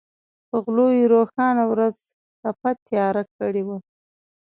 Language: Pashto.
په غلو یې روښانه ورځ تپه تیاره کړې وه.